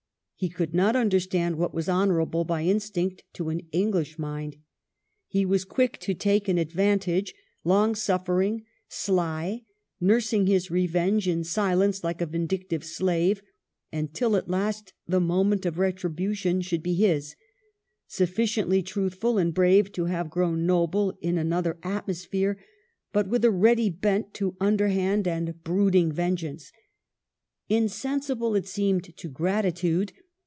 He could not understand what was hon orable by instinct to an English mind. He was quick to take an advantage, long suffering, sly, nursing his revenge in silence like a vindictive slave, until at last the moment of retribution should be his ; sufficiently truthful and brave to have grown noble in another atmosphere, but with a ready bent to underhand and brooding 238 EMILY BRONTE. vengeance. Insensible, it seemed, to gratitude.